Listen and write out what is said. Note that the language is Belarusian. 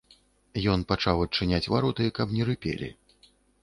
Ён пачаў адчыняць вароты, каб не рыпелі.